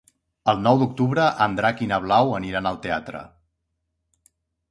El nou d'octubre en Drac i na Blau aniran al teatre.